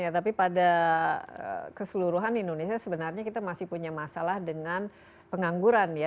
ya tapi pada keseluruhan indonesia sebenarnya kita masih punya masalah dengan pengangguran ya